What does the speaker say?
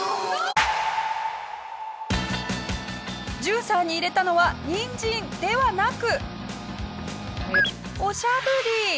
ジューサーに入れたのはニンジンではなく。